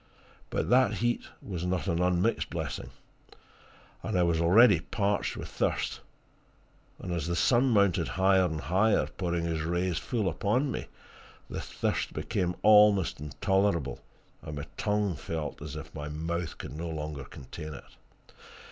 But that heat was not an unmixed blessing and I was already parched with thirst; and as the sun mounted higher and higher, pouring his rays full upon me, the thirst became almost intolerable, and my tongue felt as if my mouth could no longer contain it.